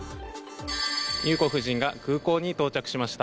裕子夫人が空港に到着しました